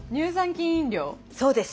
そうです。